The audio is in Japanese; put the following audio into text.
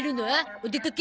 お出かけ？